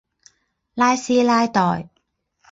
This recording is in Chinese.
拉斯拉代。